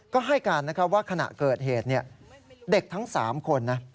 ก็ให้การว่าขณะเกิดเหตุเด็กทั้ง๓คนนะ